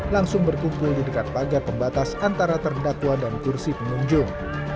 langsung berkumpul di dekat pagar pembatas antara terdakwa dan kursi pengunjung